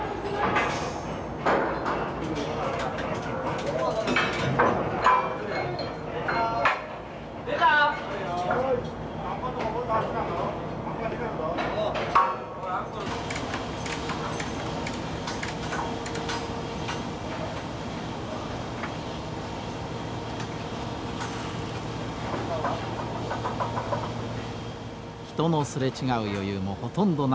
人のすれ違う余裕もほとんどない作業の足場。